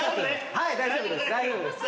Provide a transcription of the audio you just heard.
はい大丈夫です。